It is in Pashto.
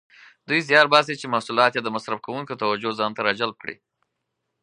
دوی زیار باسي چې محصولات یې د مصرف کوونکو توجه ځانته راجلب کړي.